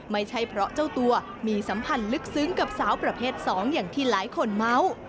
ไม่ใช่เพราะเจ้าตัวมีสัมพันธ์ลึกซึ้งกับสาวประเภท๒อย่างที่หลายคนเมาส์